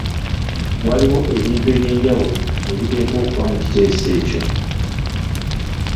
Waliwo ebintu eby’enjawulo ebiteekwa okuba mu kiteeso ekyo.